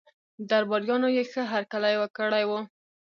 درباریانو یې ښه هرکلی کړی وو.